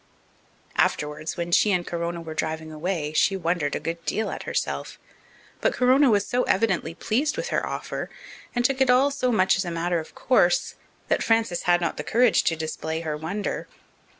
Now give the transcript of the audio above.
Afterwards, when she and Corona were driving away, she wondered a good deal at herself. But Corona was so evidently pleased with her offer, and took it all so much as a matter of course, that Frances had not the courage to display her wonder.